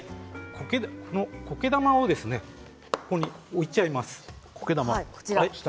こけ玉をここに置いちゃいます。